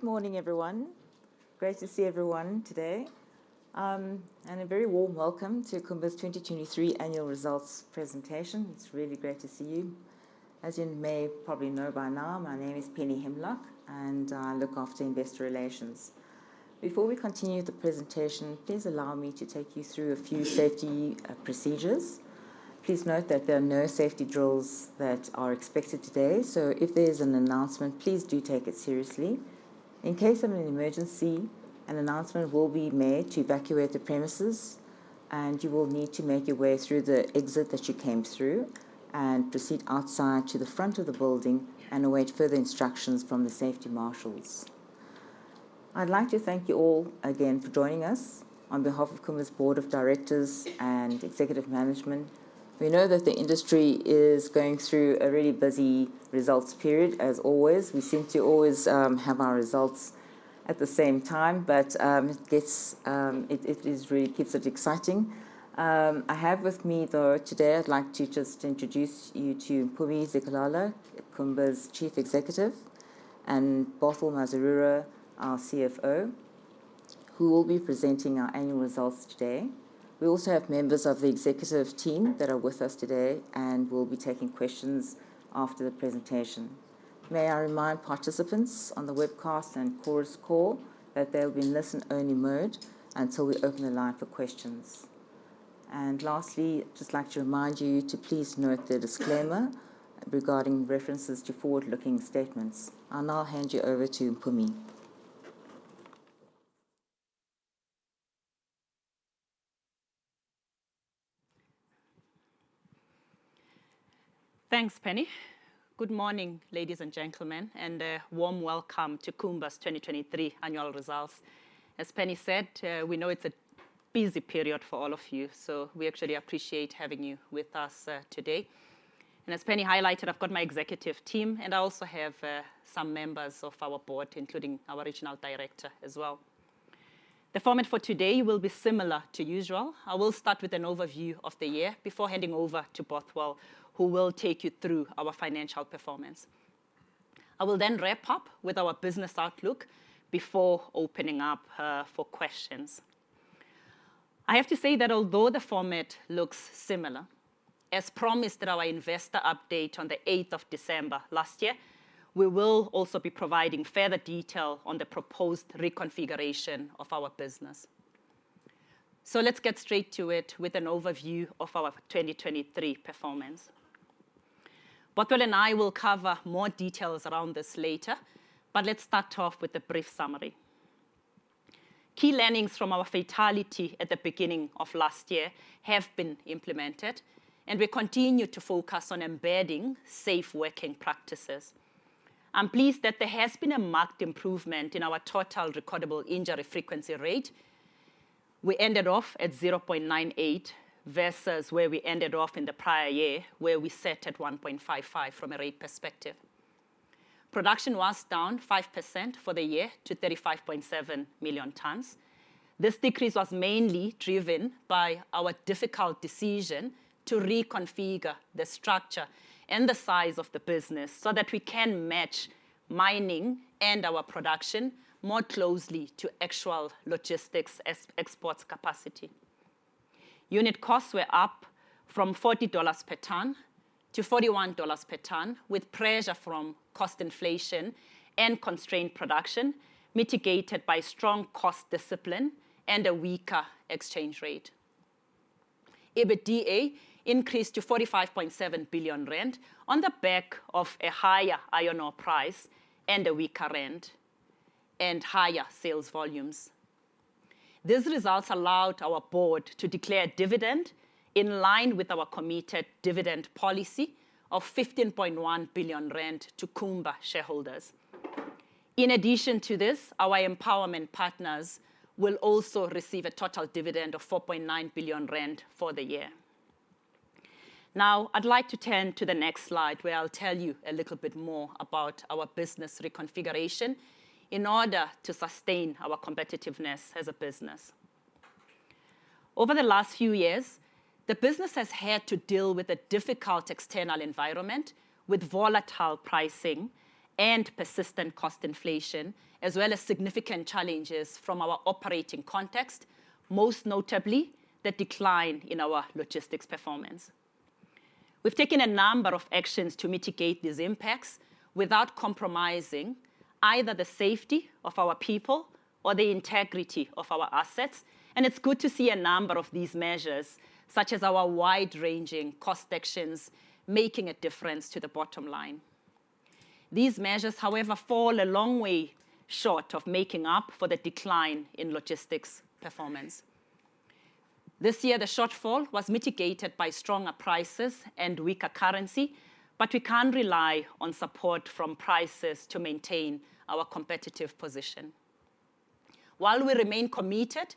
Good morning, everyone. Great to see everyone today, and a very warm welcome to Kumba's 2023 annual results presentation. It's really great to see you. As you may probably know by now, my name is Penny Himlok, and I look after investor relations. Before we continue the presentation, please allow me to take you through a few safety procedures. Please note that there are no safety drills that are expected today, so if there's an announcement, please do take it seriously. In case of an emergency, an announcement will be made to evacuate the premises, and you will need to make your way through the exit that you came through and proceed outside to the front of the building and await further instructions from the safety marshals. I'd like to thank you all again for joining us. On behalf of Kumba's Board of Directors and Executive Management, we know that the industry is going through a really busy results period. As always, we seem to always have our results at the same time, but it really keeps it exciting. I have with me, though, today I'd like to just introduce you to Mpumi Zikalala, Kumba's Chief Executive, and Bothwell Mazarura, our CFO, who will be presenting our annual results today. We also have members of the executive team that are with us today, and we'll be taking questions after the presentation. May I remind participants on the webcast and Chorus Call that they'll be in listen-only mode until we open the line for questions. And lastly, I'd just like to remind you to please note the disclaimer regarding references to forward-looking statements. I'll now hand you over to Mpumi. Thanks, Penny. Good morning, ladies and gentlemen, and warm welcome to Kumba's 2023 annual results. As Penny said, we know it's a busy period for all of you, so we actually appreciate having you with us today. And as Penny highlighted, I've got my executive team, and I also have some members of our board, including our regional director as well. The format for today will be similar to usual. I will start with an overview of the year before handing over to Bothwell, who will take you through our financial performance. I will then wrap up with our business outlook before opening up for questions. I have to say that although the format looks similar, as promised at our investor update on the 8th of December last year, we will also be providing further detail on the proposed reconfiguration of our business. So let's get straight to it with an overview of our 2023 performance. Bothwell and I will cover more details around this later, but let's start off with a brief summary. Key learnings from our fatality at the beginning of last year have been implemented, and we continue to focus on embedding safe working practices. I'm pleased that there has been a marked improvement in our total recordable injury frequency rate. We ended off at 0.98 versus where we ended off in the prior year, where we sat at 1.55 from a rate perspective. Production was down 5% for the year to 35.7 million tons. This decrease was mainly driven by our difficult decision to reconfigure the structure and the size of the business so that we can match mining and our production more closely to actual logistics exports capacity. Unit costs were up from $40 per ton to $41 per ton, with pressure from cost inflation and constrained production mitigated by strong cost discipline and a weaker exchange rate. EBITDA increased to 45.7 billion rand on the back of a higher iron ore price and a weaker rand and higher sales volumes. These results allowed our board to declare dividend in line with our committed dividend policy of 15.1 billion rand to Kumba shareholders. In addition to this, our empowerment partners will also receive a total dividend of 4.9 billion rand for the year. Now, I'd like to turn to the next slide, where I'll tell you a little bit more about our business reconfiguration in order to sustain our competitiveness as a business. Over the last few years, the business has had to deal with a difficult external environment with volatile pricing and persistent cost inflation, as well as significant challenges from our operating context, most notably the decline in our logistics performance. We've taken a number of actions to mitigate these impacts without compromising either the safety of our people or the integrity of our assets, and it's good to see a number of these measures, such as our wide-ranging cost actions, making a difference to the bottom line. These measures, however, fall a long way short of making up for the decline in logistics performance. This year, the shortfall was mitigated by stronger prices and weaker currency, but we can't rely on support from prices to maintain our competitive position. While we remain committed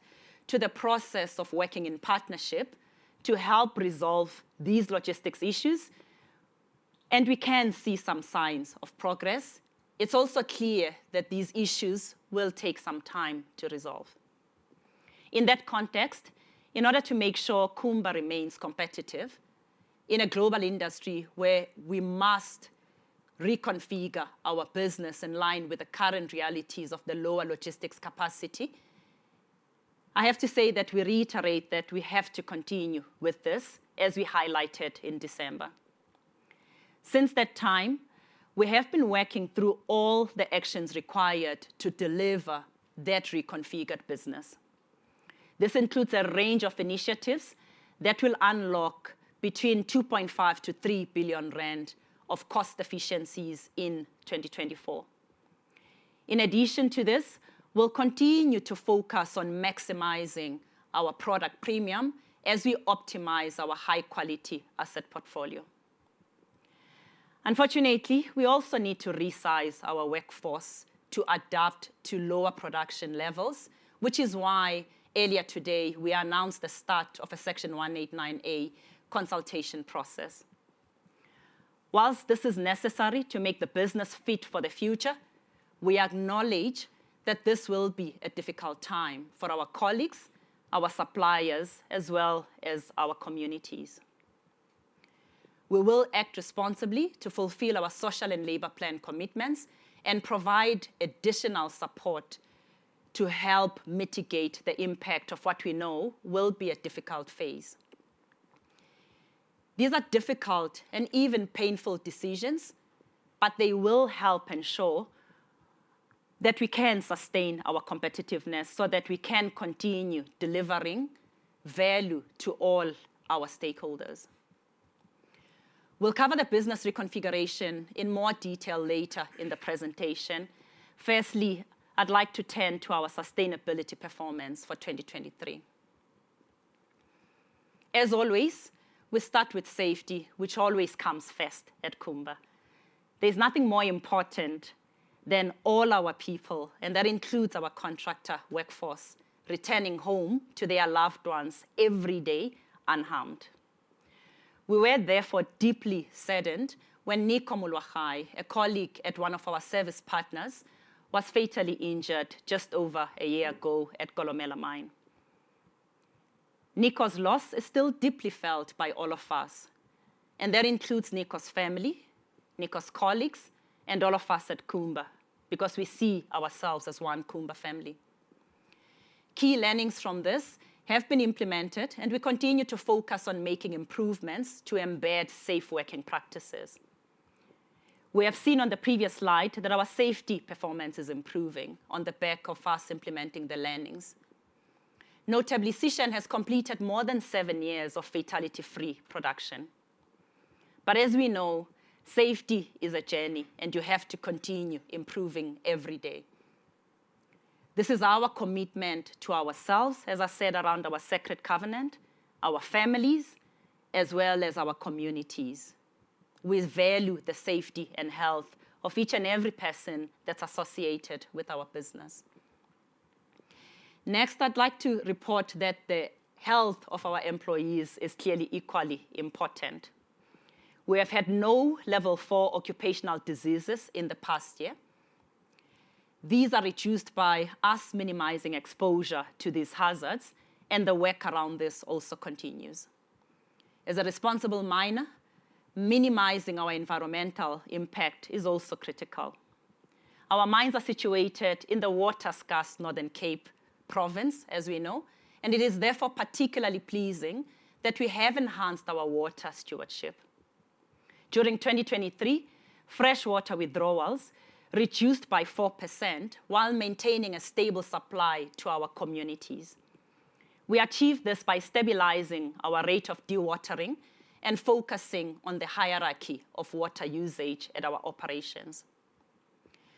to the process of working in partnership to help resolve these logistics issues, and we can see some signs of progress, it's also clear that these issues will take some time to resolve. In that context, in order to make sure Kumba remains competitive in a global industry where we must reconfigure our business in line with the current realities of the lower logistics capacity, I have to say that we reiterate that we have to continue with this, as we highlighted in December. Since that time, we have been working through all the actions required to deliver that reconfigured business. This includes a range of initiatives that will unlock between 2.5 billion-3 billion rand of cost efficiencies in 2024. In addition to this, we'll continue to focus on maximizing our product premium as we optimize our high-quality asset portfolio. Unfortunately, we also need to resize our workforce to adapt to lower production levels, which is why earlier today we announced the start of a Section 189A consultation process. While this is necessary to make the business fit for the future, we acknowledge that this will be a difficult time for our colleagues, our suppliers, as well as our communities. We will act responsibly to fulfill our social and labor plan commitments and provide additional support to help mitigate the impact of what we know will be a difficult phase. These are difficult and even painful decisions, but they will help ensure that we can sustain our competitiveness so that we can continue delivering value to all our stakeholders. We'll cover the business reconfiguration in more detail later in the presentation. Firstly, I'd like to turn to our sustainability performance for 2023. As always, we start with safety, which always comes first at Kumba. There's nothing more important than all our people, and that includes our contractor workforce, returning home to their loved ones every day unharmed. We were, therefore, deeply saddened when Nico Molewa, a colleague at one of our service partners, was fatally injured just over a year ago at Kolomela Mine. Nico's loss is still deeply felt by all of us, and that includes Nico's family, Nico's colleagues, and all of us at Kumba because we see ourselves as one Kumba family. Key learnings from this have been implemented, and we continue to focus on making improvements to embed safe working practices. We have seen on the previous slide that our safety performance is improving on the back of us implementing the learnings. Notably, Sishen has completed more than seven years of fatality-free production. As we know, safety is a journey, and you have to continue improving every day. This is our commitment to ourselves, as I said, around our sacred covenant, our families, as well as our communities. We value the safety and health of each and every person that's associated with our business. Next, I'd like to report that the health of our employees is clearly equally important. We have had no level four occupational diseases in the past year. These are reduced by us minimizing exposure to these hazards, and the work around this also continues. As a responsible miner, minimizing our environmental impact is also critical. Our mines are situated in the water-scarce Northern Cape Province, as we know, and it is therefore particularly pleasing that we have enhanced our water stewardship. During 2023, freshwater withdrawals reduced by 4% while maintaining a stable supply to our communities. We achieved this by stabilizing our rate of dewatering and focusing on the hierarchy of water usage at our operations.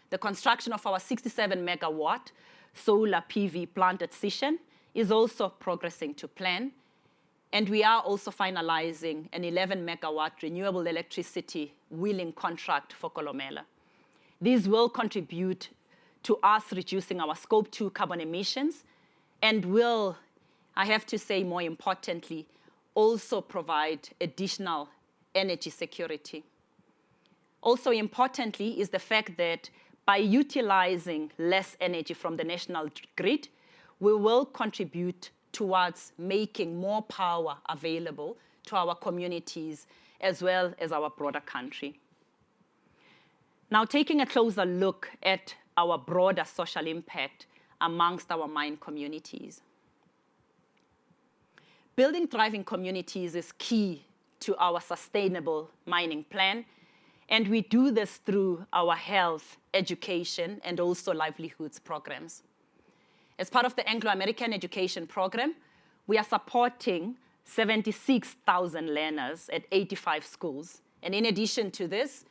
The construction of our 67 MW solar PV plant at Sishen is also progressing to plan, and we are also finalizing an 11 MW renewable electricity wheeling contract for Kolomela. These will contribute to us reducing our Scope 2 emissions and will, I have to say more importantly, also provide additional energy security. Also importantly is the fact that by utilizing less energy from the national grid, we will contribute towards making more power available to our communities as well as our broader country. Now, taking a closer look at our broader social impact among our mine communities. Building thriving communities is key to our sustainable mining plan, and we do this through our health, education, and also livelihoods programs. As part of the Anglo American Education Program, we are supporting 76,000 learners at 85 schools, and in addition to this,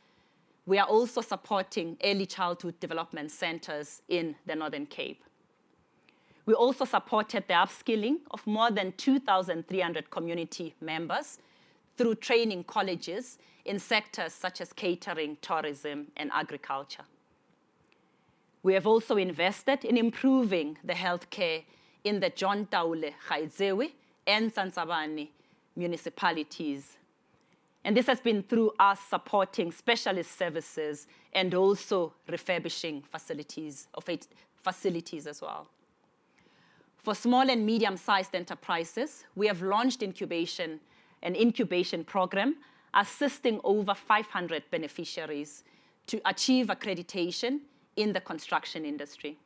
we are also supporting early childhood development centers in the Northern Cape. We also supported the upskilling of more than 2,300 community members through training colleges in sectors such as catering, tourism, and agriculture. We have also invested in improving the healthcare in the John Taolo Gaetsewe and Tsantsabane municipalities, and this has been through us supporting specialist services and also refurbishing facilities as well. For small and medium-sized enterprises, we have launched an incubation program assisting over 500 beneficiaries to achieve accreditation in the construction industry.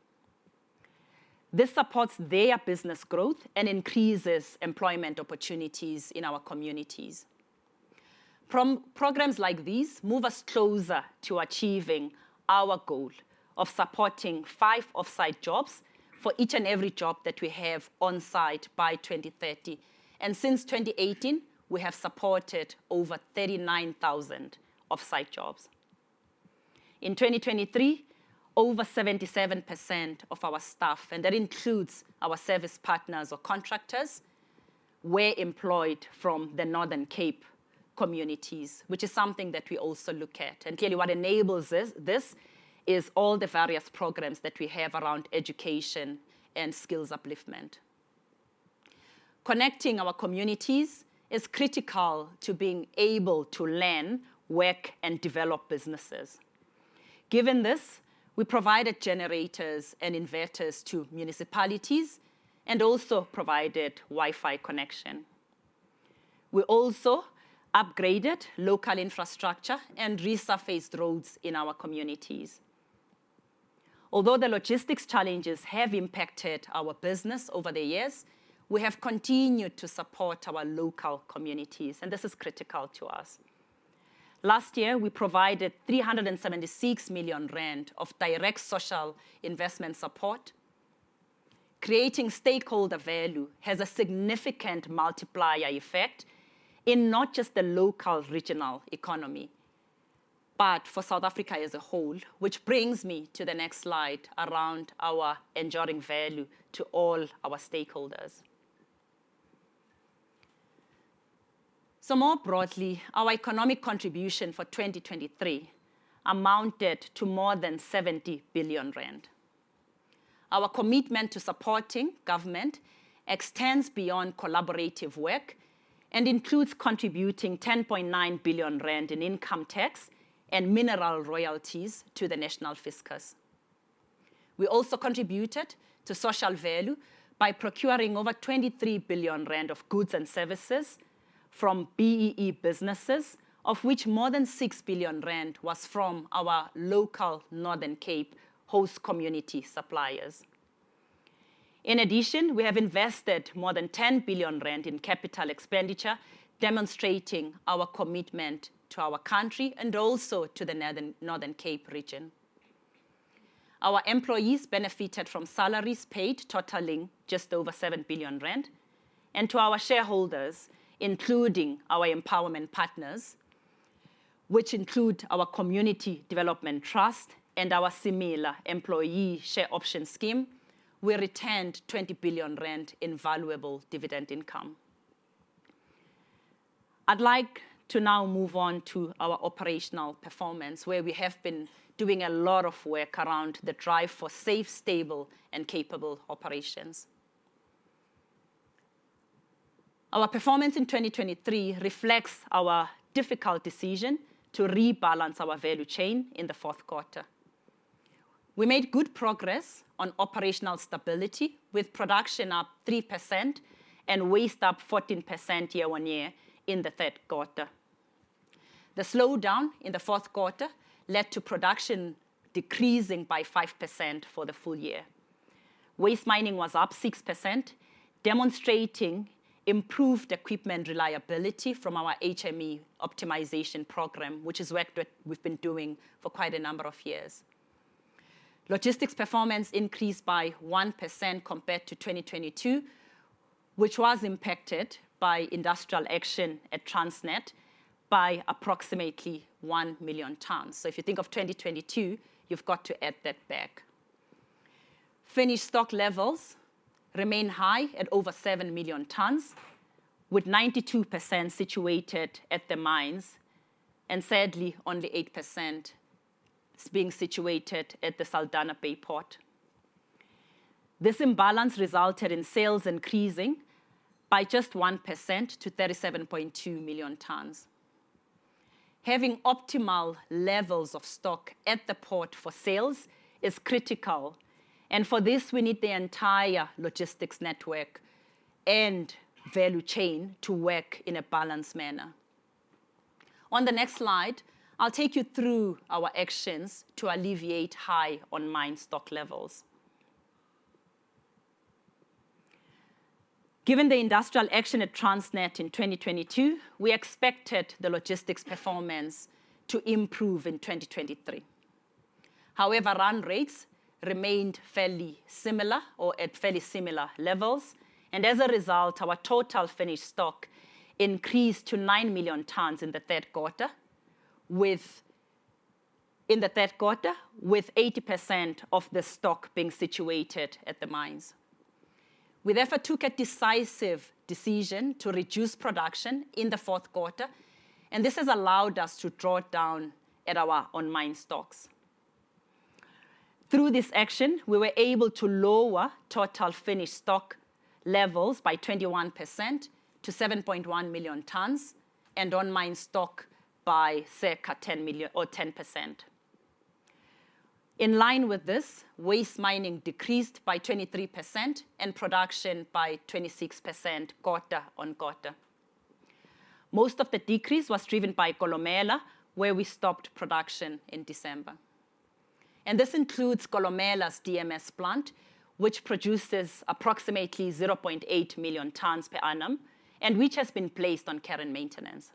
This supports their business growth and increases employment opportunities in our communities. Programs like these move us closer to achieving our goal of supporting five offsite jobs for each and every job that we have onsite by 2030, and since 2018, we have supported over 39,000 offsite jobs. In 2023, over 77% of our staff, and that includes our service partners or contractors, were employed from the Northern Cape communities, which is something that we also look at. Clearly, what enables this is all the various programs that we have around education and skills upliftment. Connecting our communities is critical to being able to learn, work, and develop businesses. Given this, we provided generators and inverters to municipalities and also provided Wi-Fi connection. We also upgraded local infrastructure and resurfaced roads in our communities. Although the logistics challenges have impacted our business over the years, we have continued to support our local communities, and this is critical to us. Last year, we provided 376 million rand of direct social investment support. Creating stakeholder value has a significant multiplier effect in not just the local regional economy, but for South Africa as a whole, which brings me to the next slide around our enduring value to all our stakeholders. More broadly, our economic contribution for 2023 amounted to more than 70 billion rand. Our commitment to supporting government extends beyond collaborative work and includes contributing 10.9 billion rand in income tax and mineral royalties to the national fiscus. We also contributed to social value by procuring over 23 billion rand of goods and services from BEE businesses, of which more than 6 billion rand was from our local Northern Cape host community suppliers. In addition, we have invested more than 10 billion rand in capital expenditure, demonstrating our commitment to our country and also to the Northern Cape region. Our employees benefited from salaries paid totaling just over 7 billion rand, and to our shareholders, including our empowerment partners, which include our Community Development Trust and our Tsima Employee Share Option Scheme, we returned 20 billion rand in valuable dividend income. I'd like to now move on to our operational performance, where we have been doing a lot of work around the drive for safe, stable, and capable operations. Our performance in 2023 reflects our difficult decision to rebalance our value chain in the fourth quarter. We made good progress on operational stability, with production up 3% and waste up 14% year-on-year in the third quarter. The slowdown in the fourth quarter led to production decreasing by 5% for the full year. Waste mining was up 6%, demonstrating improved equipment reliability from our HME optimization program, which is work that we've been doing for quite a number of years. Logistics performance increased by 1% compared to 2022, which was impacted by industrial action at Transnet by approximately 1 million tons. So if you think of 2022, you've got to add that back. Finished stock levels remain high at over 7 million tons, with 92% situated at the mines and, sadly, only 8% being situated at the Saldanha Bay port. This imbalance resulted in sales increasing by just 1% to 37.2 million tons. Having optimal levels of stock at the port for sales is critical, and for this, we need the entire logistics network and value chain to work in a balanced manner. On the next slide, I'll take you through our actions to alleviate high on-mine stock levels. Given the industrial action at Transnet in 2022, we expected the logistics performance to improve in 2023. However, run rates remained fairly similar or at fairly similar levels, and as a result, our total finished stock increased to 9 million tons in the third quarter, with 80% of the stock being situated at the mines. We therefore took a decisive decision to reduce production in the fourth quarter, and this has allowed us to draw it down at our on-mine stocks. Through this action, we were able to lower total finished stock levels by 21% to 7.1 million tons and on-mine stock by circa 10%. In line with this, waste mining decreased by 23% and production by 26% quarter-on-quarter. Most of the decrease was driven by Kolomela, where we stopped production in December. This includes Kolomela's DMS plant, which produces approximately 0.8 million tons per annum and which has been placed on current maintenance.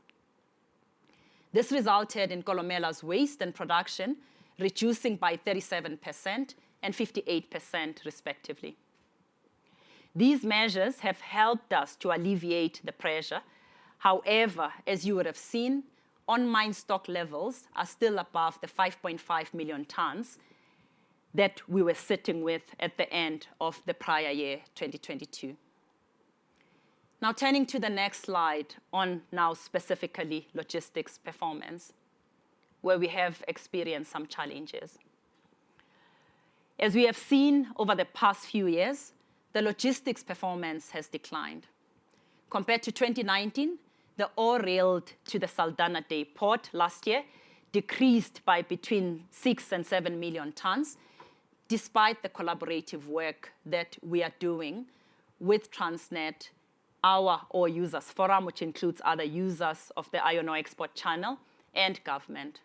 This resulted in Kolomela's waste and production reducing by 37% and 58%, respectively. These measures have helped us to alleviate the pressure. However, as you would have seen, on-mine stock levels are still above the 5.5 million tons that we were sitting with at the end of the prior year, 2022. Now, turning to the next slide on now specifically logistics performance, where we have experienced some challenges. As we have seen over the past few years, the logistics performance has declined. Compared to 2019, the ore railed to the Saldanha Bay port last year decreased by between 6 and 7 million tons, despite the collaborative work that we are doing with Transnet, our Ore Users' Forum, which includes other users of the iron ore export channel, and government.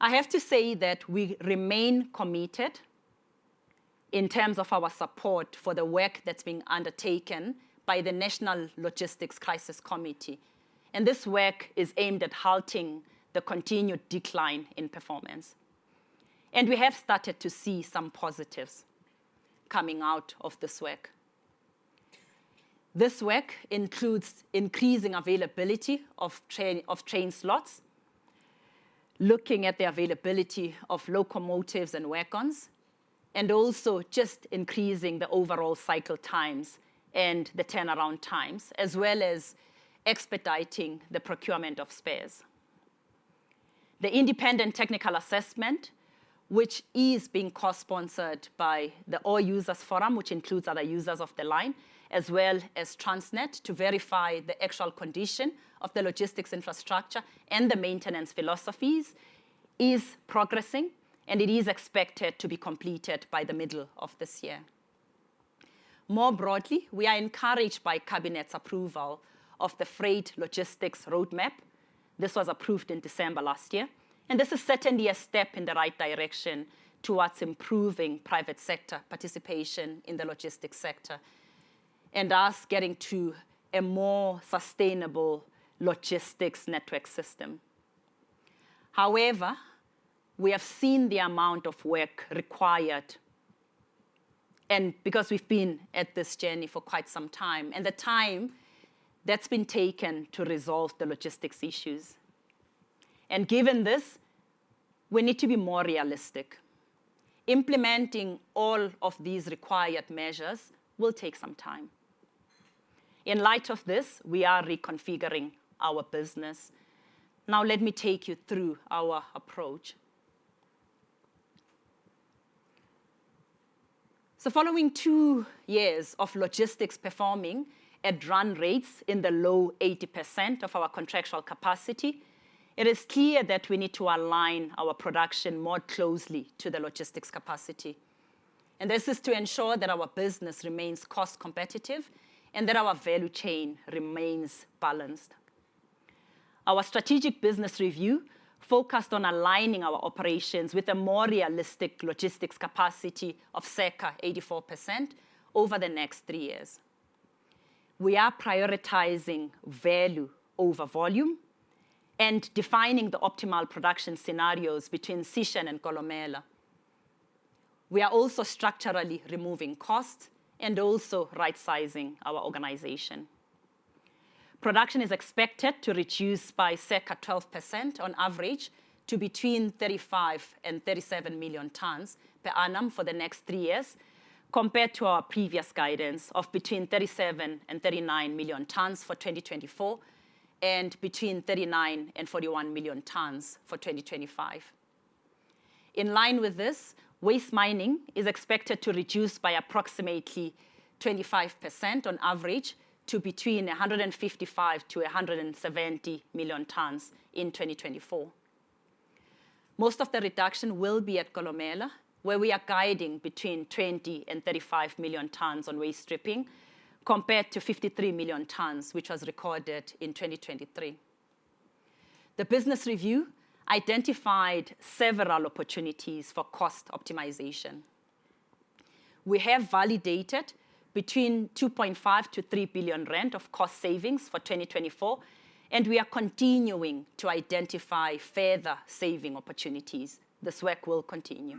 I have to say that we remain committed in terms of our support for the work that's being undertaken by the National Logistics Crisis Committee, and this work is aimed at halting the continued decline in performance. We have started to see some positives coming out of this work. This work includes increasing availability of train slots, looking at the availability of locomotives and wagons, and also just increasing the overall cycle times and the turnaround times, as well as expediting the procurement of spares. The independent technical assessment, which is being co-sponsored by the Ore Users' Forum, which includes other users of the line as well as Transnet to verify the actual condition of the logistics infrastructure and the maintenance philosophies, is progressing, and it is expected to be completed by the middle of this year. More broadly, we are encouraged by Cabinet's approval of the Freight Logistics Roadmap. This was approved in December last year, and this is certainly a step in the right direction towards improving private sector participation in the logistics sector and us getting to a more sustainable logistics network system. However, we have seen the amount of work required, and because we've been at this journey for quite some time, and the time that's been taken to resolve the logistics issues. Given this, we need to be more realistic. Implementing all of these required measures will take some time. In light of this, we are reconfiguring our business. Now, let me take you through our approach. Following two years of logistics performing at run rates in the low 80% of our contractual capacity, it is clear that we need to align our production more closely to the logistics capacity. This is to ensure that our business remains cost competitive and that our value chain remains balanced. Our strategic business review focused on aligning our operations with a more realistic logistics capacity of circa 84% over the next three years. We are prioritizing value over volume and defining the optimal production scenarios between Sishen and Kolomela. We are also structurally removing costs and also right-sizing our organization. Production is expected to reduce by circa 12% on average to between 35 and 37 million tons per annum for the next three years, compared to our previous guidance of between 37 and 39 million tons for 2024 and between 39 and 41 million tons for 2025. In line with this, waste mining is expected to reduce by approximately 25% on average to between 155 million-170 million tons in 2024. Most of the reduction will be at Kolomela, where we are guiding between 20 million-35 million tons on waste stripping, compared to 53 million tons, which was recorded in 2023. The business review identified several opportunities for cost optimization. We have validated between 2.5 billion-3 billion rand of cost savings for 2024, and we are continuing to identify further saving opportunities. This work will continue.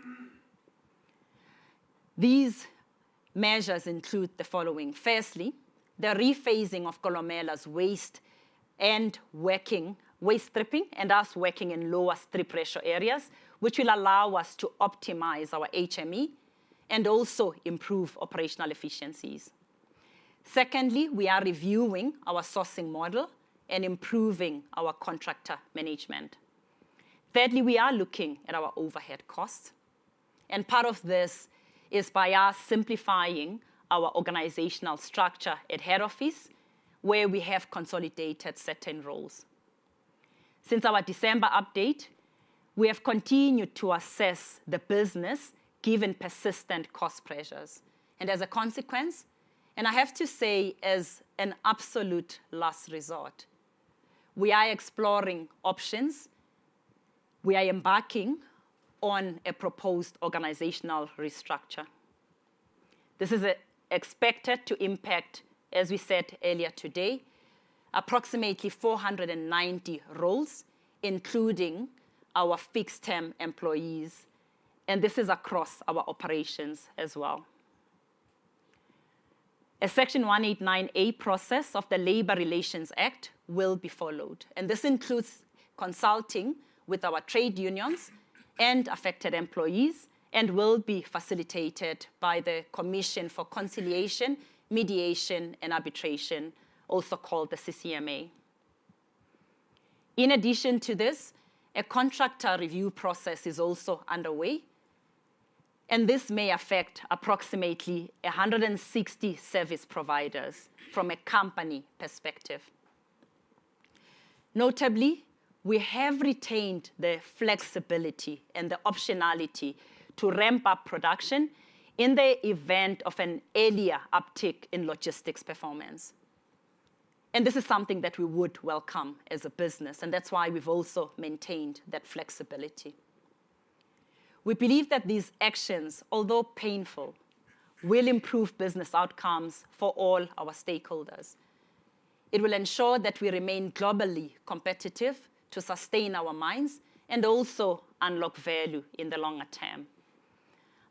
These measures include the following. Firstly, the rephasing of Kolomela's waste and waste stripping and us working in lower strip pressure areas, which will allow us to optimize our HME and also improve operational efficiencies. Secondly, we are reviewing our sourcing model and improving our contractor management. Thirdly, we are looking at our overhead costs. Part of this is by us simplifying our organizational structure at head office, where we have consolidated certain roles. Since our December update, we have continued to assess the business given persistent cost pressures. As a consequence, and I have to say as an absolute last resort, we are exploring options. We are embarking on a proposed organizational restructure. This is expected to impact, as we said earlier today, approximately 490 roles, including our fixed-term employees. This is across our operations as well. A Section 189A process of the Labour Relations Act will be followed. This includes consulting with our trade unions and affected employees and will be facilitated by the Commission for Conciliation, Mediation, and Arbitration, also called the CCMA. In addition to this, a contractor review process is also underway. This may affect approximately 160 service providers from a company perspective. Notably, we have retained the flexibility and the optionality to ramp up production in the event of an earlier uptick in logistics performance. This is something that we would welcome as a business. That's why we've also maintained that flexibility. We believe that these actions, although painful, will improve business outcomes for all our stakeholders. It will ensure that we remain globally competitive to sustain our mines and also unlock value in the longer term.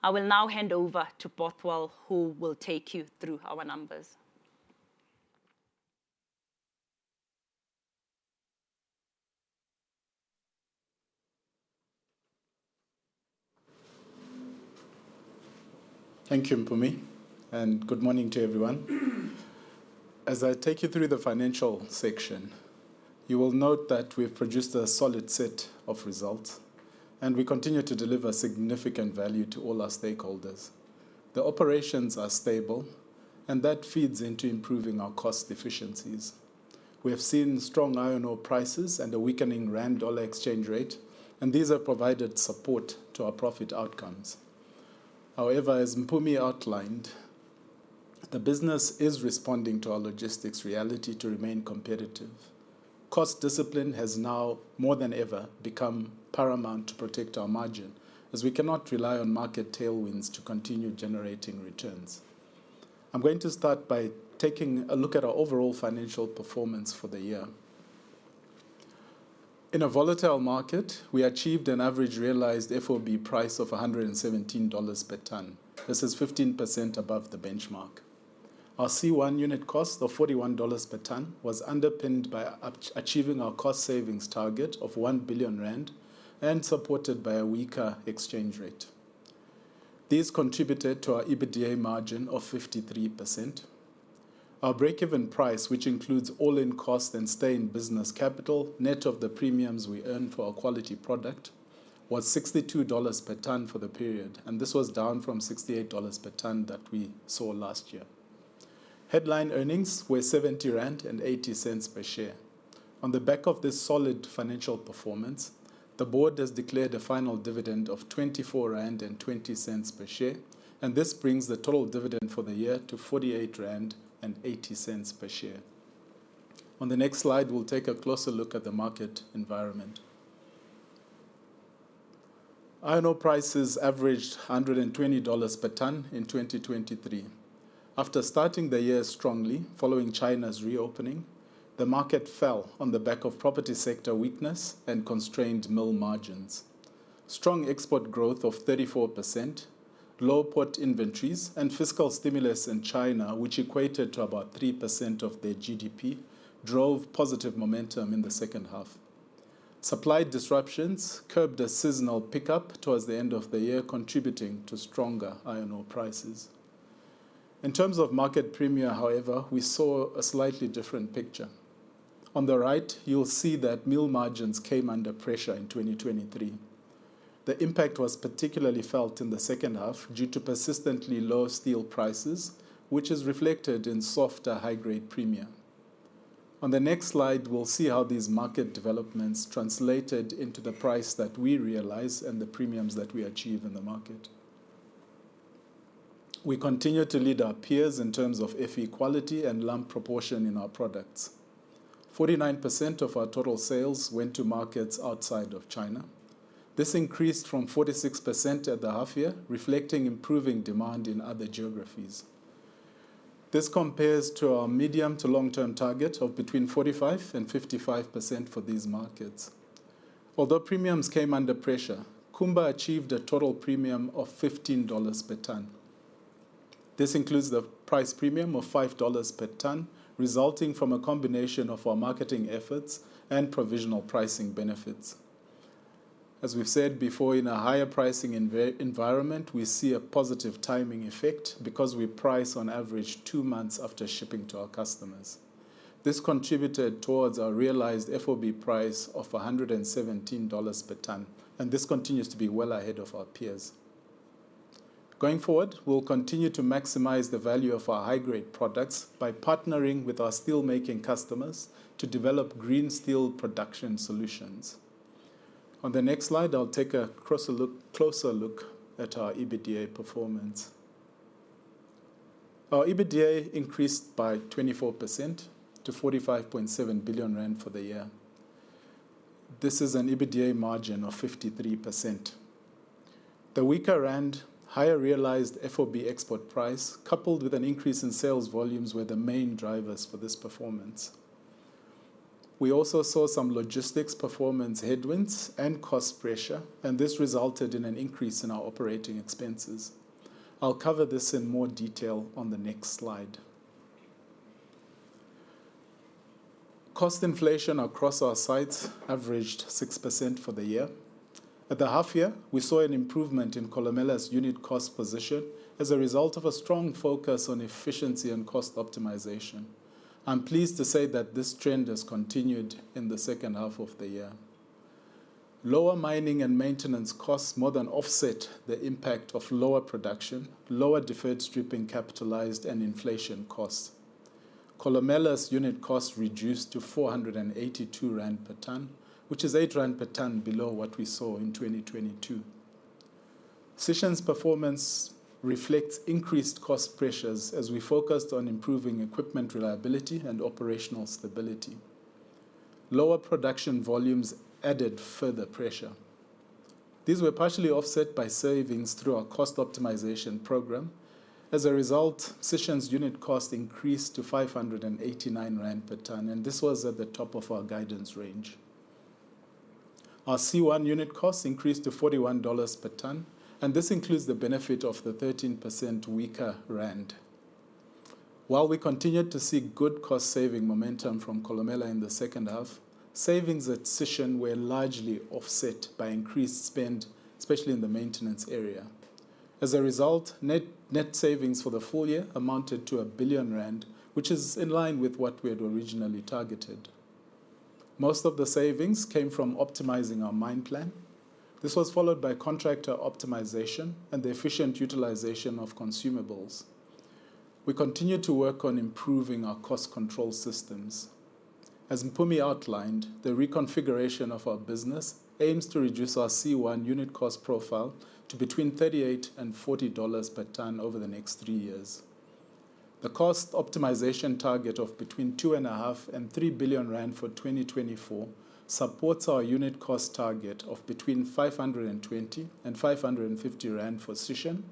I will now hand over to Bothwell, who will take you through our numbers. Thank you, Mpumi. Good morning to everyone. As I take you through the financial section, you will note that we've produced a solid set of results, and we continue to deliver significant value to all our stakeholders. The operations are stable, and that feeds into improving our cost efficiencies. We have seen strong iron ore prices and a weakening Rand-dollar exchange rate, and these have provided support to our profit outcomes. However, as Mpumi outlined, the business is responding to our logistics reality to remain competitive. Cost discipline has now, more than ever, become paramount to protect our margin, as we cannot rely on market tailwinds to continue generating returns. I'm going to start by taking a look at our overall financial performance for the year. In a volatile market, we achieved an average realized FOB price of $117 per ton. This is 15% above the benchmark. Our C1 unit cost of $41 per ton was underpinned by achieving our cost savings target of 1 billion rand and supported by a weaker exchange rate. These contributed to our EBITDA margin of 53%. Our break-even price, which includes all-in costs and stay-in-business capital, net of the premiums we earned for our quality product, was $62 per ton for the period, and this was down from $68 per ton that we saw last year. Headline earnings were 70.80 rand per share. On the back of this solid financial performance, the board has declared a final dividend of 24.20 rand per share, and this brings the total dividend for the year to 48.80 rand per share. On the next slide, we'll take a closer look at the market environment. Iron ore prices averaged $120 per ton in 2023. After starting the year strongly following China's reopening, the market fell on the back of property sector weakness and constrained mill margins. Strong export growth of 34%, low port inventories, and fiscal stimulus in China, which equated to about 3% of their GDP, drove positive momentum in the second half. Supply disruptions curbed a seasonal pickup towards the end of the year, contributing to stronger iron ore prices. In terms of market premium, however, we saw a slightly different picture. On the right, you'll see that mill margins came under pressure in 2023. The impact was particularly felt in the second half due to persistently low steel prices, which is reflected in softer high-grade premium. On the next slide, we'll see how these market developments translated into the price that we realize and the premiums that we achieve in the market. We continue to lead our peers in terms of Fe quality and lump proportion in our products. 49% of our total sales went to markets outside of China. This increased from 46% at the half-year, reflecting improving demand in other geographies. This compares to our medium to long-term target of between 45% and 55% for these markets. Although premiums came under pressure, Kumba achieved a total premium of $15 per ton. This includes the price premium of $5 per ton, resulting from a combination of our marketing efforts and provisional pricing benefits. As we've said before, in a higher pricing environment, we see a positive timing effect because we price on average two months after shipping to our customers. This contributed towards our realized FOB price of $117 per ton, and this continues to be well ahead of our peers. Going forward, we'll continue to maximize the value of our high-grade products by partnering with our steelmaking customers to develop green steel production solutions. On the next slide, I'll take a closer look at our EBITDA performance. Our EBITDA increased by 24% to 45.7 billion rand for the year. This is an EBITDA margin of 53%. The weaker rand, higher realized FOB export price, coupled with an increase in sales volumes, were the main drivers for this performance. We also saw some logistics performance headwinds and cost pressure, and this resulted in an increase in our operating expenses. I'll cover this in more detail on the next slide. Cost inflation across our sites averaged 6% for the year. At the half-year, we saw an improvement in Kolomela's unit cost position as a result of a strong focus on efficiency and cost optimization. I'm pleased to say that this trend has continued in the second half of the year. Lower mining and maintenance costs more than offset the impact of lower production, lower deferred stripping capitalized, and inflation costs. Kolomela's unit costs reduced to 482 rand per ton, which is 8 rand per ton below what we saw in 2022. Sishen's performance reflects increased cost pressures as we focused on improving equipment reliability and operational stability. Lower production volumes added further pressure. These were partially offset by savings through our cost optimization program. As a result, Sishen's unit costs increased to 589 rand per ton, and this was at the top of our guidance range. Our C1 unit costs increased to $41 per ton, and this includes the benefit of the 13% weaker rand. While we continued to see good cost-saving momentum from Kolomela in the second half, savings at Sishen were largely offset by increased spend, especially in the maintenance area. As a result, net savings for the full year amounted to 1 billion rand, which is in line with what we had originally targeted. Most of the savings came from optimizing our mine plan. This was followed by contractor optimization and the efficient utilization of consumables. We continue to work on improving our cost control systems. As Mpumi outlined, the reconfiguration of our business aims to reduce our C1 unit cost profile to between $38-$40 per ton over the next three years. The cost optimization target of between 2.5 billion-3 billion rand for 2024 supports our unit cost target of between 520-550 rand for Sishen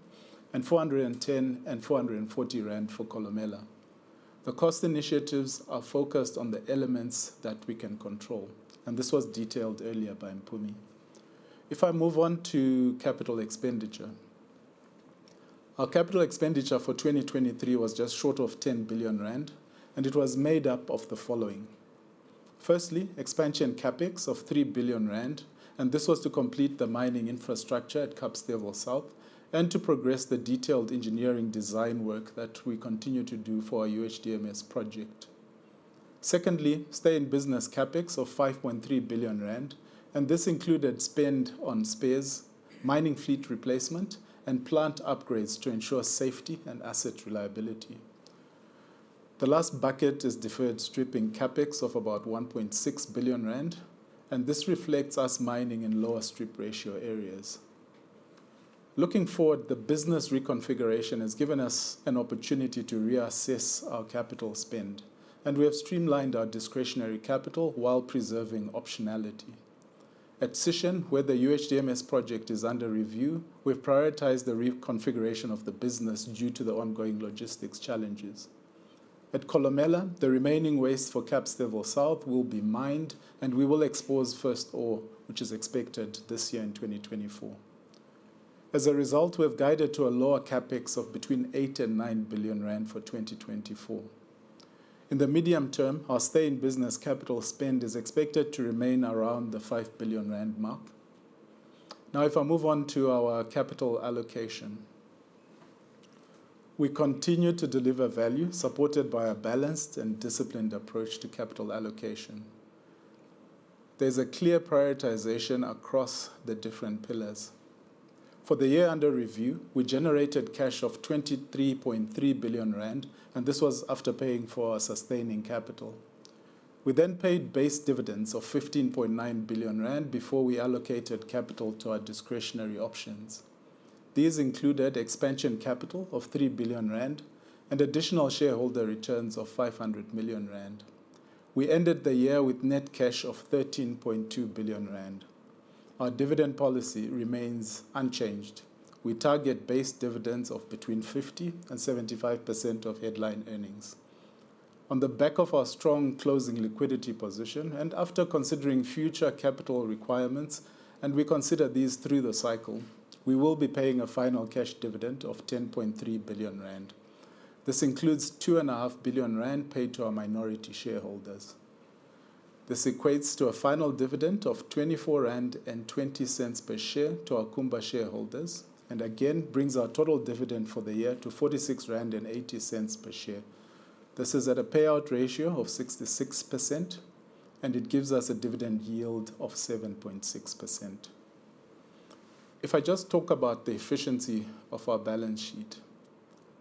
and 410-440 rand for Kolomela. The cost initiatives are focused on the elements that we can control, and this was detailed earlier by Mpumi. If I move on to capital expenditure, our capital expenditure for 2023 was just short of 10 billion rand, and it was made up of the following. Firstly, expansion CapEx of 3 billion rand, and this was to complete the mining infrastructure at Kapstevel South and to progress the detailed engineering design work that we continue to do for our UHDMS project. Secondly, stay-in-business CapEx of 5.3 billion rand, and this included spend on spares, mining fleet replacement, and plant upgrades to ensure safety and asset reliability. The last bucket is deferred stripping CapEx of about 1.6 billion rand, and this reflects us mining in lower strip ratio areas. Looking forward, the business reconfiguration has given us an opportunity to reassess our capital spend, and we have streamlined our discretionary capital while preserving optionality. At Sishen, where the UHDMS project is under review, we've prioritized the reconfiguration of the business due to the ongoing logistics challenges. At Kolomela, the remaining waste for Kapstevel South will be mined, and we will expose first ore, which is expected this year in 2024. As a result, we have guided to a lower CapEx of between 8 billion and 9 billion rand for 2024. In the medium term, our stay-in-business capital spend is expected to remain around the 5 billion rand mark. Now, if I move on to our capital allocation, we continue to deliver value supported by a balanced and disciplined approach to capital allocation. There's a clear prioritization across the different pillars. For the year under review, we generated cash of 23.3 billion rand, and this was after paying for our sustaining capital. We then paid base dividends of 15.9 billion rand before we allocated capital to our discretionary options. These included expansion capital of 3 billion rand and additional shareholder returns of 500 million rand. We ended the year with net cash of 13.2 billion rand. Our dividend policy remains unchanged. We target base dividends of between 50%-75% of headline earnings. On the back of our strong closing liquidity position and after considering future capital requirements, and we consider these through the cycle, we will be paying a final cash dividend of 10.3 billion rand. This includes 2.5 billion rand paid to our minority shareholders. This equates to a final dividend of 24.20 rand per share to our Kumba shareholders and again brings our total dividend for the year to 46.80 rand per share. This is at a payout ratio of 66%, and it gives us a dividend yield of 7.6%. If I just talk about the efficiency of our balance sheet,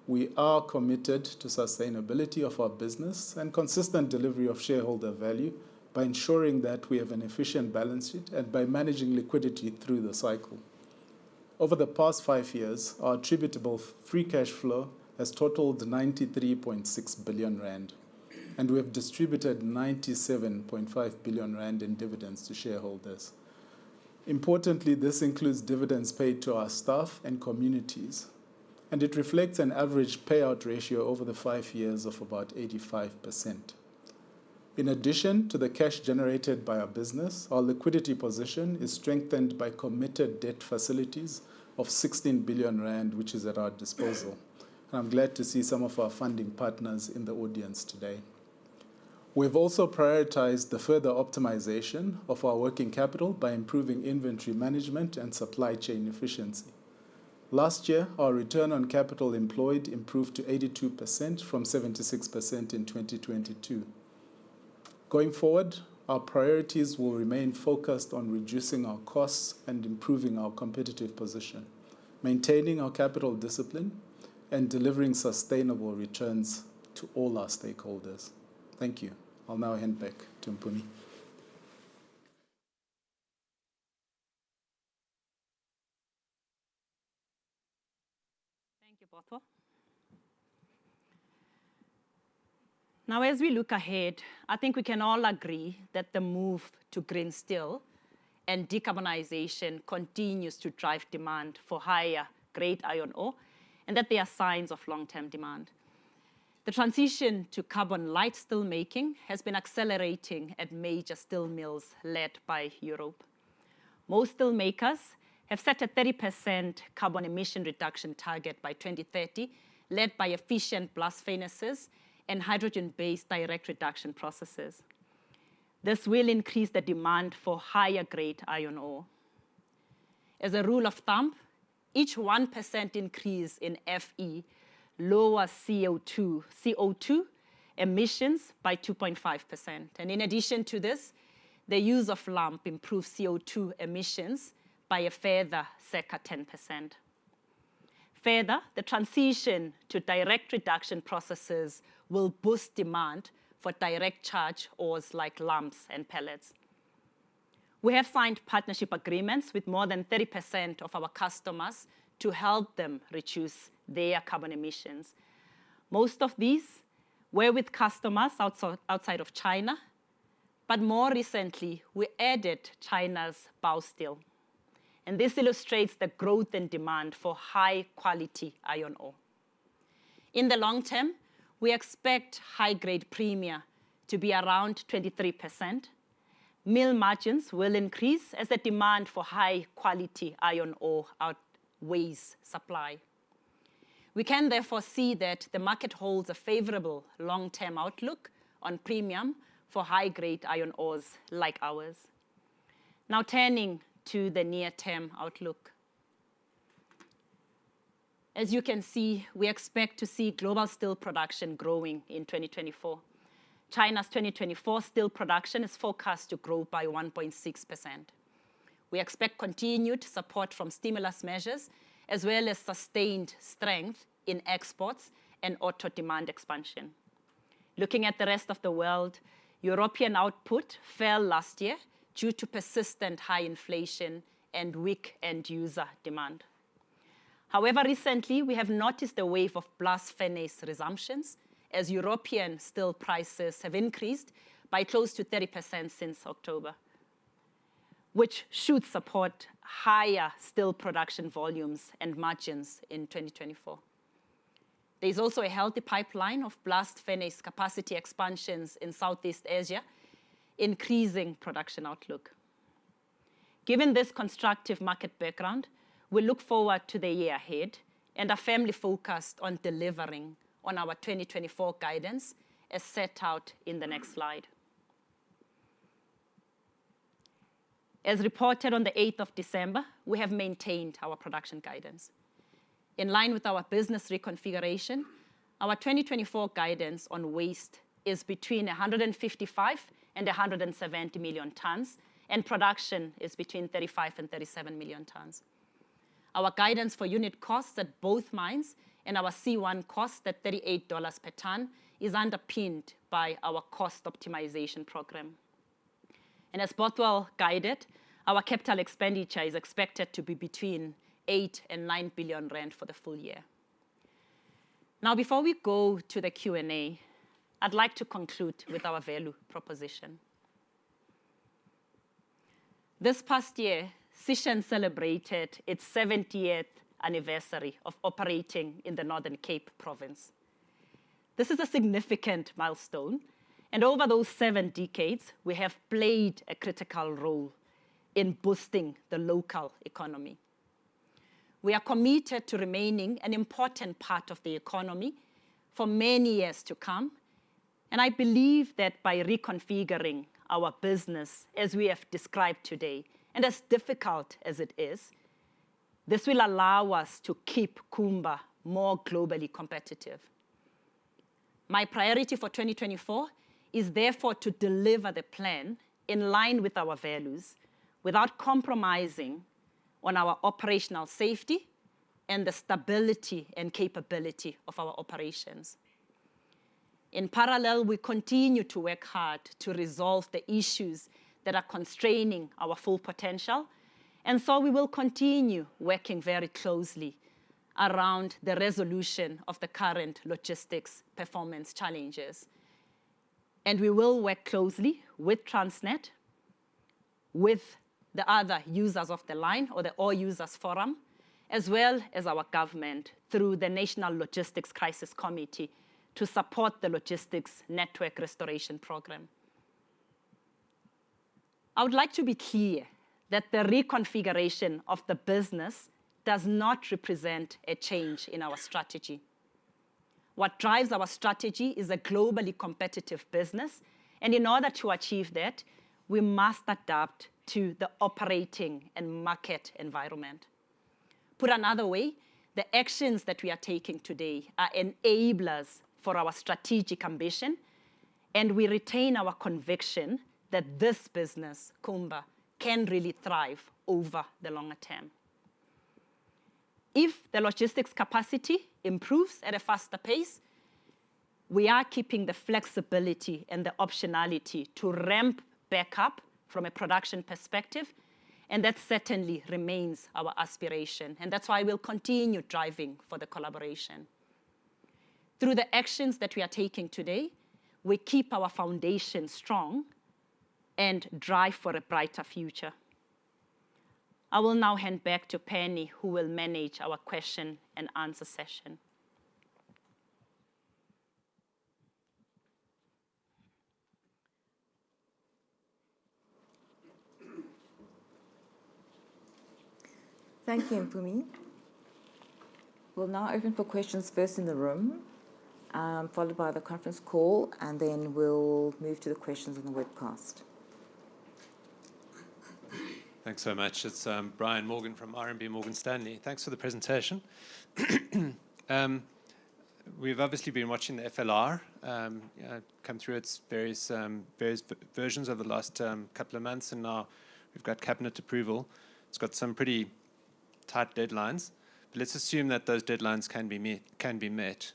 we are committed to sustainability of our business and consistent delivery of shareholder value by ensuring that we have an efficient balance sheet and by managing liquidity through the cycle. Over the past five years, our attributable free cash flow has totaled 93.6 billion rand, and we have distributed 97.5 billion rand in dividends to shareholders. Importantly, this includes dividends paid to our staff and communities, and it reflects an average payout ratio over the five years of about 85%. In addition to the cash generated by our business, our liquidity position is strengthened by committed debt facilities of 16 billion rand, which is at our disposal. I'm glad to see some of our funding partners in the audience today. We've also prioritized the further optimization of our working capital by improving inventory management and supply chain efficiency. Last year, our return on capital employed improved to 82% from 76% in 2022. Going forward, our priorities will remain focused on reducing our costs and improving our competitive position, maintaining our capital discipline, and delivering sustainable returns to all our stakeholders. Thank you. I'll now hand back to Mpumi. Thank you, Bothwell. Now, as we look ahead, I think we can all agree that the move to green steel and decarbonization continues to drive demand for higher grade iron ore and that they are signs of long-term demand. The transition to carbon-light steelmaking has been accelerating at major steel mills led by Europe. Most steelmakers have set a 30% carbon emission reduction target by 2030 led by efficient blast furnaces and hydrogen-based direct reduction processes. This will increase the demand for higher grade iron ore. As a rule of thumb, each 1% increase in Fe lowers CO2 emissions by 2.5%. In addition to this, the use of lump improves CO2 emissions by a further circa 10%. Further, the transition to direct reduction processes will boost demand for direct charge ores like lumps and pellets. We have signed partnership agreements with more than 30% of our customers to help them reduce their carbon emissions. Most of these were with customers outside of China, but more recently, we added China's Baosteel. This illustrates the growth in demand for high-quality iron ore. In the long term, we expect high-grade premium to be around 23%. Mill margins will increase as the demand for high-quality iron ore outweighs supply. We can therefore see that the market holds a favorable long-term outlook on premium for high-grade iron ores like ours. Now, turning to the near-term outlook. As you can see, we expect to see global steel production growing in 2024. China's 2024 steel production is forecast to grow by 1.6%. We expect continued support from stimulus measures as well as sustained strength in exports and auto demand expansion. Looking at the rest of the world, European output fell last year due to persistent high inflation and weak end-user demand. However, recently, we have noticed a wave of blast furnace resumptions as European steel prices have increased by close to 30% since October, which should support higher steel production volumes and margins in 2024. There's also a healthy pipeline of blast furnace capacity expansions in Southeast Asia, increasing production outlook. Given this constructive market background, we look forward to the year ahead and are firmly focused on delivering on our 2024 guidance as set out in the next slide. As reported on the 8th of December, we have maintained our production guidance. In line with our business reconfiguration, our 2024 guidance on waste is between 155-170 million tons, and production is between 35 million-37 million tons. Our guidance for unit costs at both mines and our C1 costs at $38 per ton is underpinned by our cost optimization program. And as Bothwell guided, our capital expenditure is expected to be between 8-9 billion rand for the full year. Now, before we go to the Q&A, I'd like to conclude with our value proposition. This past year, Kumba celebrated its 70th anniversary of operating in the Northern Cape Province. This is a significant milestone. Over those seven decades, we have played a critical role in boosting the local economy. We are committed to remaining an important part of the economy for many years to come. I believe that by reconfiguring our business as we have described today and as difficult as it is, this will allow us to keep Kumba more globally competitive. My priority for 2024 is therefore to deliver the plan in line with our values without compromising on our operational safety and the stability and capability of our operations. In parallel, we continue to work hard to resolve the issues that are constraining our full potential. We will continue working very closely around the resolution of the current logistics performance challenges. We will work closely with Transnet, with the other users of the line or the Ore Users' Forum, as well as our government through the National Logistics Crisis Committee to support the logistics network restoration program. I would like to be clear that the reconfiguration of the business does not represent a change in our strategy. What drives our strategy is a globally competitive business. And in order to achieve that, we must adapt to the operating and market environment. Put another way, the actions that we are taking today are enablers for our strategic ambition. We retain our conviction that this business, Kumba, can really thrive over the longer term. If the logistics capacity improves at a faster pace, we are keeping the flexibility and the optionality to ramp back up from a production perspective. And that certainly remains our aspiration. And that's why we'll continue driving for the collaboration. Through the actions that we are taking today, we keep our foundation strong and drive for a brighter future. I will now hand back to Penny, who will manage our question and answer session. Thank you, Mpumi. We'll now open for questions first in the room, followed by the conference call, and then we'll move to the questions in the webcast. Thanks so much. It's Brian Morgan from RMB Morgan Stanley. Thanks for the presentation. We've obviously been watching the FLR come through its various versions over the last couple of months. And now we've got cabinet approval. It's got some pretty tight deadlines. But let's assume that those deadlines can be met.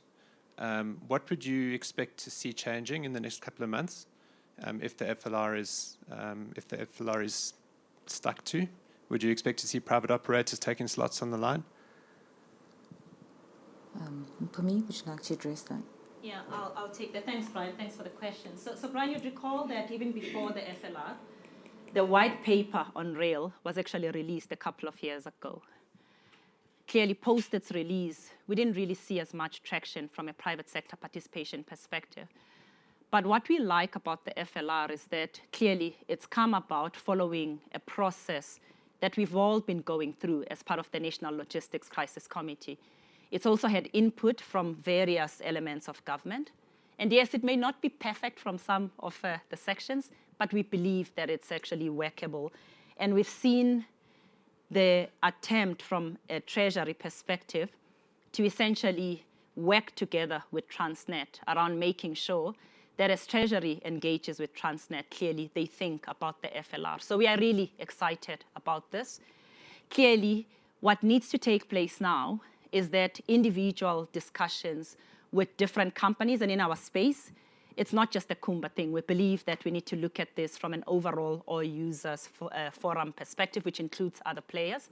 What would you expect to see changing in the next couple of months if the FLR is stuck to? Would you expect to see private operators taking slots on the line? Mpumi, would you like to address that? Yeah, I'll take that. Thanks, Brian. Thanks for the question. So Brian, you'd recall that even before the FLR, the white paper on rail was actually released a couple of years ago. Clearly, post its release, we didn't really see as much traction from a private sector participation perspective. But what we like about the FLR is that clearly, it's come about following a process that we've all been going through as part of the National Logistics Crisis Committee. It's also had input from various elements of government. And yes, it may not be perfect from some of the sections, but we believe that it's actually workable. And we've seen the attempt from a Treasury perspective to essentially work together with Transnet around making sure that as Treasury engages with Transnet, clearly, they think about the FLR. So we are really excited about this. Clearly, what needs to take place now is that individual discussions with different companies and in our space, it's not just a Kumba thing. We believe that we need to look at this from an overall Ore Users' Forum perspective, which includes other players.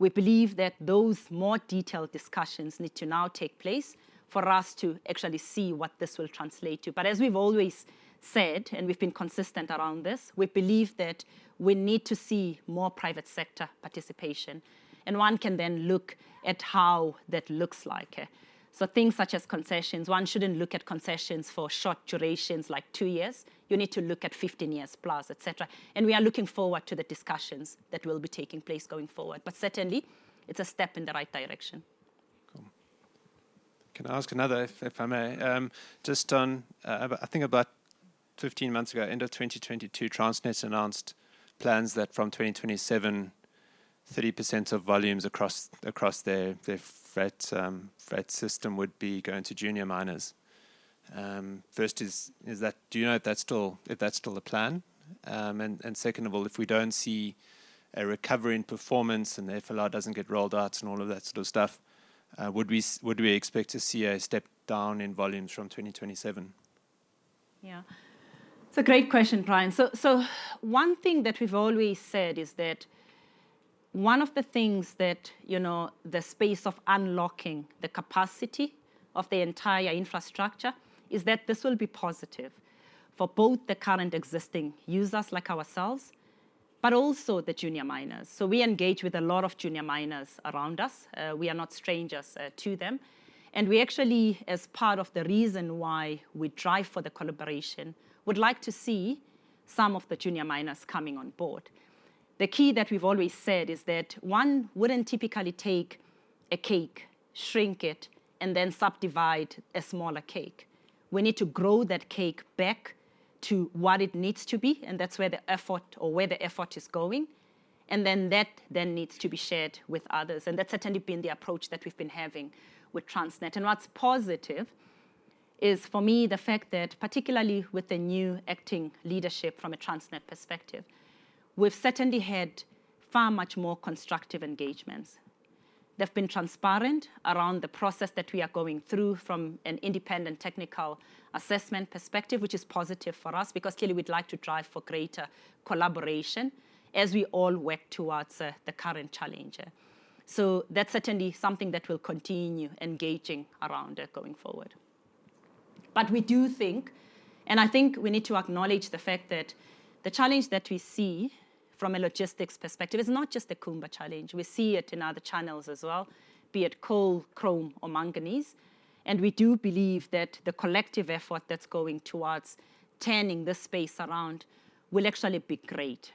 We believe that those more detailed discussions need to now take place for us to actually see what this will translate to. But as we've always said, and we've been consistent around this, we believe that we need to see more private sector participation. One can then look at how that looks like. Things such as concessions, one shouldn't look at concessions for short durations like two years. You need to look at 15 years plus, et cetera. We are looking forward to the discussions that will be taking place going forward. Certainly, it's a step in the right direction. Can I ask another, if I may? Just on, I think, about 15 months ago, end of 2022, Transnet announced plans that from 2027, 30% of volumes across their freight system would be going to junior miners. First is that, do you know if that's still the plan? And second of all, if we don't see a recovery in performance and the FLR doesn't get rolled out and all of that sort of stuff, would we expect to see a step down in volumes from 2027? Yeah. It's a great question, Brian. So one thing that we've always said is that one of the things that the space of unlocking the capacity of the entire infrastructure is that this will be positive for both the current existing users like ourselves, but also the junior miners. So we engage with a lot of junior miners around us. We are not strangers to them. And we actually, as part of the reason why we drive for the collaboration, would like to see some of the junior miners coming on board. The key that we've always said is that one wouldn't typically take a cake, shrink it, and then subdivide a smaller cake. We need to grow that cake back to what it needs to be. And that's where the effort or where the effort is going. And then that then needs to be shared with others. That's certainly been the approach that we've been having with Transnet. What's positive is, for me, the fact that, particularly with the new acting leadership from a Transnet perspective, we've certainly had far much more constructive engagements. They've been transparent around the process that we are going through from an independent technical assessment perspective, which is positive for us because clearly, we'd like to drive for greater collaboration as we all work towards the current challenge. That's certainly something that we'll continue engaging around going forward. We do think, and I think we need to acknowledge the fact that the challenge that we see from a logistics perspective is not just the Kumba challenge. We see it in other channels as well, be it coal, chrome, or manganese. We do believe that the collective effort that's going towards turning this space around will actually be great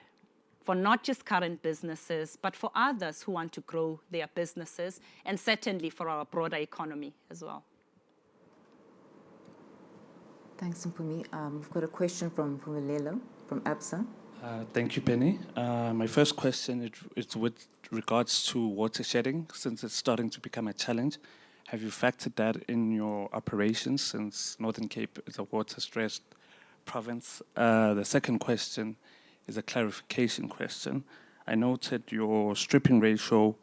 for not just current businesses, but for others who want to grow their businesses and certainly for our broader economy as well. Thanks, Mpumi. We've got a question from Mpumelelo from Absa. Thank you, Penny. My first question, it's with regards to water shedding. Since it's starting to become a challenge, have you factored that in your operations since Northern Cape is a water-stressed province? The second question is a clarification question. I noted your stripping ratio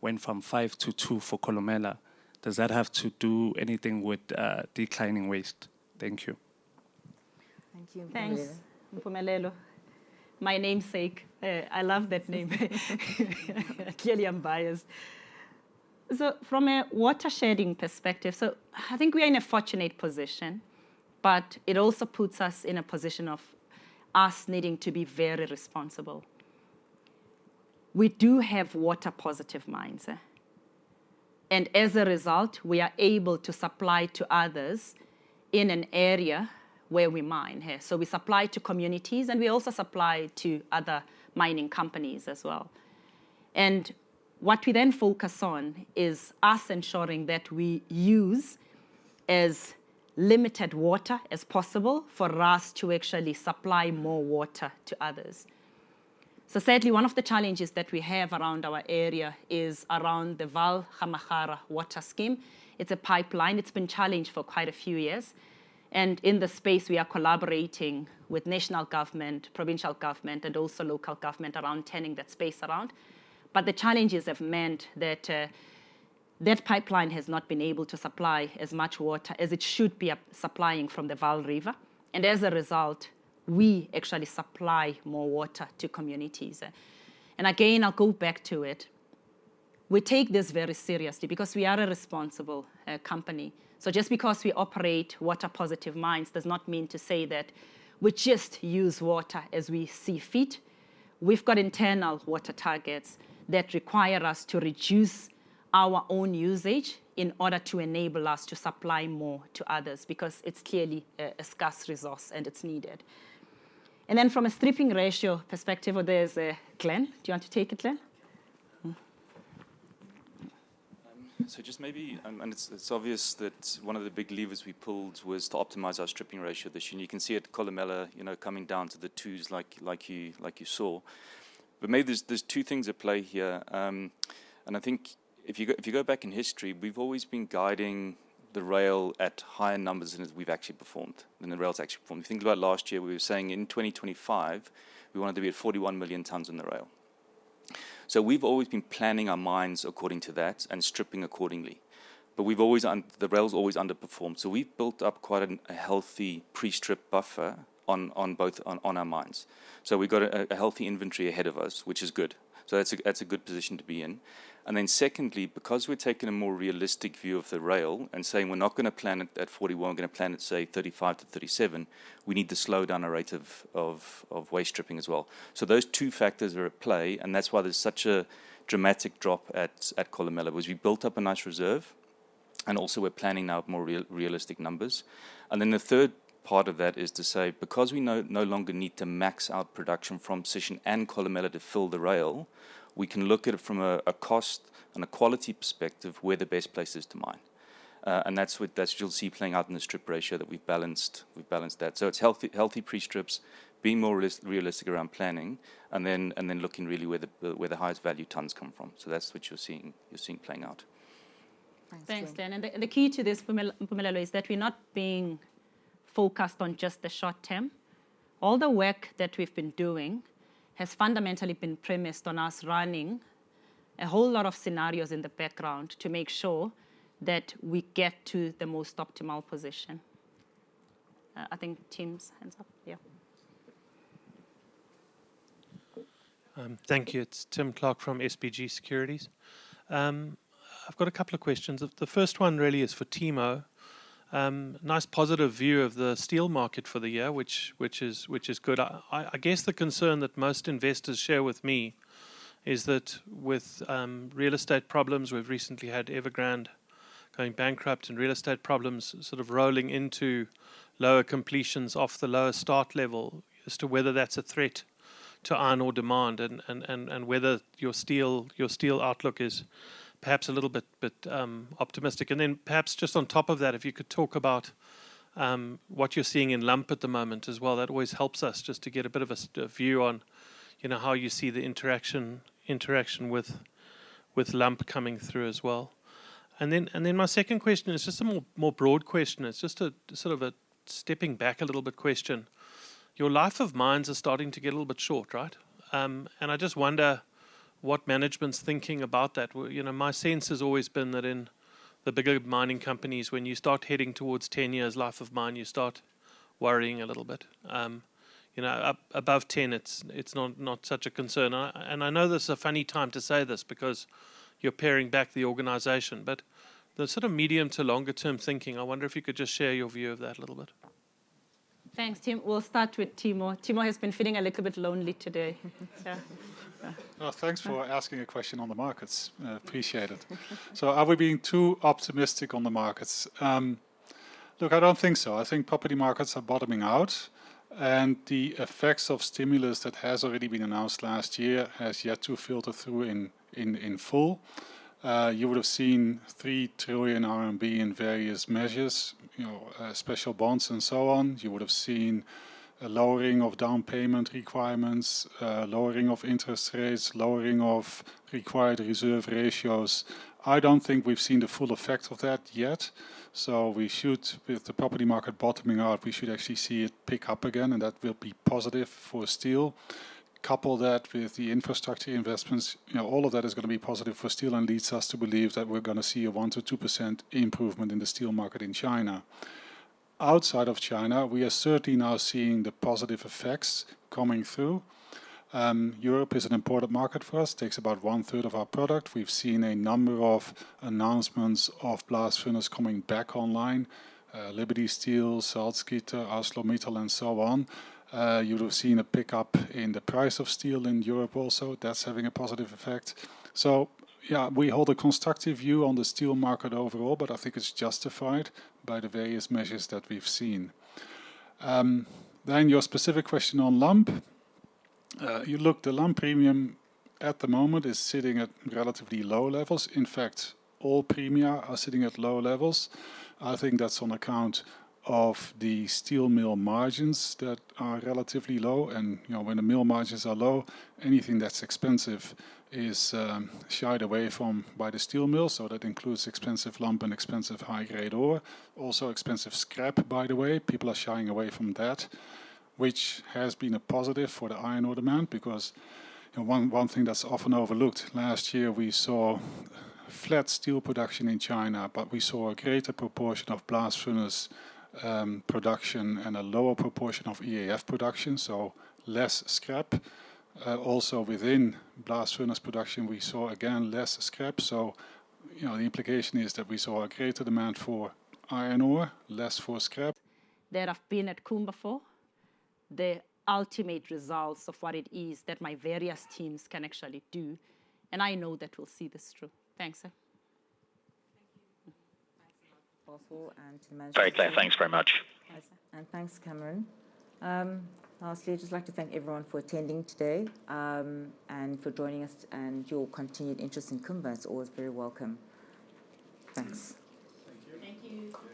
went from 5-2 for Kolomela. Does that have to do anything with declining waste? Thank you. Thank you, Mpumelelo. Thanks, Mpumelelo. Namesake, I love that name. Clearly, I'm biased. From a water-shedding perspective, I think we are in a fortunate position. But it also puts us in a position of us needing to be very responsible. We do have water-positive mines. As a result, we are able to supply to others in an area where we mine. We supply to communities. We also supply to other mining companies as well. What we then focus on is us ensuring that we use as limited water as possible for us to actually supply more water to others. Certainly, one of the challenges that we have around our area is around the Vaal Gamagara Water Scheme. It's a pipeline. It's been challenged for quite a few years. In the space, we are collaborating with national government, provincial government, and also local government around turning that space around. But the challenges have meant that that pipeline has not been able to supply as much water as it should be supplying from the Vaal River. And as a result, we actually supply more water to communities. And again, I'll go back to it. We take this very seriously because we are a responsible company. So just because we operate water-positive mines does not mean to say that we just use water as we see fit. We've got internal water targets that require us to reduce our own usage in order to enable us to supply more to others because it's clearly a scarce resource. And it's needed. And then from a stripping ratio perspective, there's Glen. Do you want to take it, Glen? So just maybe, and it's obvious that one of the big levers we pulled was to optimize our stripping ratio this year. And you can see it at Kolomela coming down to the 2s like you saw. But maybe there's two things at play here. And I think if you go back in history, we've always been guiding the rail at higher numbers than we've actually performed, than the rail's actually performed. If you think about last year, we were saying in 2025, we wanted to be at 41 million tons on the rail. So we've always been planning our mines according to that and stripping accordingly. But the rail's always underperformed. So we've built up quite a healthy pre-strip buffer on our mines. So we've got a healthy inventory ahead of us, which is good. So that's a good position to be in. And then secondly, because we're taking a more realistic view of the rail and saying we're not going to plan it at 41, we're going to plan it, say, 35-37, we need to slow down the rate of waste stripping as well. So those two factors are at play. And that's why there's such a dramatic drop at Kolomela was we built up a nice reserve. And also, we're planning now more realistic numbers. And then the third part of that is to say, because we no longer need to max out production from Sishen and Kolomela to fill the rail, we can look at it from a cost and a quality perspective where the best place is to mine. And that's what you'll see playing out in the strip ratio that we've balanced that. It's healthy pre-strips, being more realistic around planning, and then looking really where the highest value tons come from. That's what you're seeing playing out. Thanks, Glen. And the key to this, Mpumelelo, is that we're not being focused on just the short term. All the work that we've been doing has fundamentally been premised on us running a whole lot of scenarios in the background to make sure that we get to the most optimal position. I think Tim's hand's up. Yeah. Thank you. It's Tim Clark from SBG Securities. I've got a couple of questions. The first one really is for Timo. Nice positive view of the steel market for the year, which is good. I guess the concern that most investors share with me is that with real estate problems, we've recently had Evergrande going bankrupt and real estate problems sort of rolling into lower completions off the lower start level as to whether that's a threat to iron ore demand and whether your steel outlook is perhaps a little bit optimistic. And then perhaps just on top of that, if you could talk about what you're seeing in lump at the moment as well. That always helps us just to get a bit of a view on how you see the interaction with lump coming through as well. And then my second question is just a more broad question. It's just sort of a stepping back a little bit question. Your life of mines is starting to get a little bit short, right? I just wonder what management's thinking about that. My sense has always been that in the bigger mining companies, when you start heading towards 10 years life of mine, you start worrying a little bit. Above 10, it's not such a concern. I know this is a funny time to say this because you're paring back the organization. The sort of medium to longer-term thinking, I wonder if you could just share your view of that a little bit. Thanks, Tim. We'll start with Timo. Timo has been feeling a little bit lonely today. Thanks for asking a question on the markets. Appreciate it. So are we being too optimistic on the markets? Look, I don't think so. I think property markets are bottoming out. And the effects of stimulus that has already been announced last year has yet to filter through in full. You would have seen 3 trillion RMB in various measures, special bonds, and so on. You would have seen a lowering of down payment requirements, lowering of interest rates, lowering of required reserve ratios. I don't think we've seen the full effect of that yet. So with the property market bottoming out, we should actually see it pick up again. And that will be positive for steel. Couple that with the infrastructure investments, all of that is going to be positive for steel and leads us to believe that we're going to see a 1%-2% improvement in the steel market in China. Outside of China, we are certainly now seeing the positive effects coming through. Europe is an important market for us. It takes about one-third of our product. We've seen a number of announcements of blast furnace coming back online: Liberty Steel, Salzgitter, ArcelorMittal, and so on. You would have seen a pickup in the price of steel in Europe also. That's having a positive effect. So yeah, we hold a constructive view on the steel market overall. But I think it's justified by the various measures that we've seen. Then your specific question on lump. The lump premium at the moment is sitting at relatively low levels. In fact, all premia are sitting at low levels. I think that's on account of the steel mill margins that are relatively low. When the mill margins are low, anything that's expensive is shied away from by the steel mill. That includes expensive lump and expensive high-grade ore, also expensive scrap, by the way. People are shying away from that, which has been a positive for the iron ore demand because one thing that's often overlooked, last year we saw flat steel production in China. We saw a greater proportion of blast furnace production and a lower proportion of EAF production, so less scrap. Also, within blast furnace production, we saw, again, less scrap. The implication is that we saw a greater demand for iron ore, less for scrap. That I've been at Kumba for, the ultimate results of what it is that my various teams can actually do. I know that we'll see this through. Thanks, sir. Thank you. Thanks a lot. Also. Very clear. Thanks very much. Thanks, sir. Thanks, Cameron. Lastly, I'd just like to thank everyone for attending today and for joining us and your continued interest in Kumba. It's always very welcome. Thanks. Thank you.